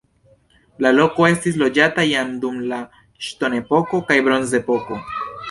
La loko estis loĝata jam dum la ŝtonepoko kaj bronzepoko.